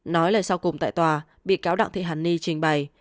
nói lời sau cùng tại tòa bị cáo đặng thị hằng nhi trình bày